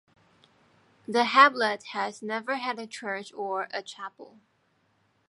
The hamlet has never had a church or a chapel.